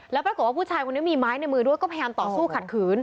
แล้วปรากฏว่าผู้ชายคนนี้มีไม้ในมือด้วยก็พยายามต่อสู้ขัดขืน